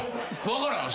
分からん。